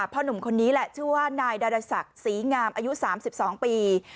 หนุ่มคนนี้แหละชื่อว่านายดารศักดิ์ศรีงามอายุ๓๒ปี